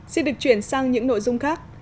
xin được chuyển sang những nội dung khác